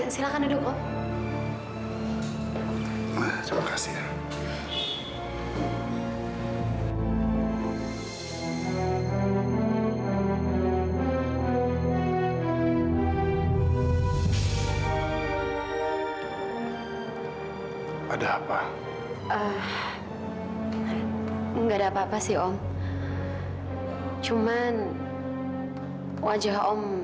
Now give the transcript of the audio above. silahkan duduk om